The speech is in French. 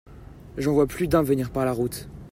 J'en vois plus d'un venir par la route.